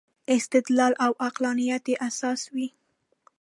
استدلال او عقلانیت یې اساس وي.